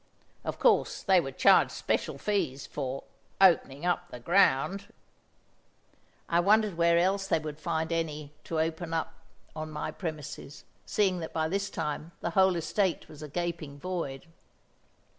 Of course they would charge special fees for "opening up the ground." I wondered where else they would find any to "open up" on my premises, seeing that by this time the whole estate was a gaping void!